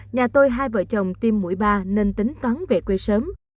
nhà tôi hai vợ chồng tim mũi ba nên tính toán về quê sớm